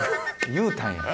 言うたんや。